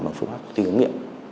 bằng phương pháp tinh hướng nghiệm